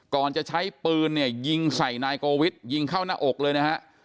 ก่อนจะใช้ปืนเนี่ยยิงใส่นายโกวิทยิงเข้าหน้าอกเลยนะฮะ